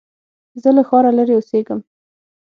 زه له ښاره لرې اوسېږم